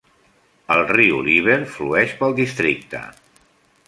El riu Liver flueix pel districte.